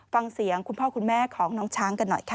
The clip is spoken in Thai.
ฟังเสียงคุณพ่อคุณแม่ของน้องช้างกันหน่อยค่ะ